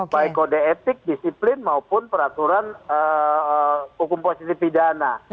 baik kode etik disiplin maupun peraturan hukum positif pidana